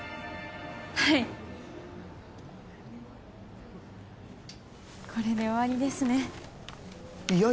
はいこれで終わりですねいや